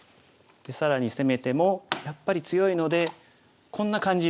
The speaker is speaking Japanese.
で更に攻めてもやっぱり強いのでこんな感じ。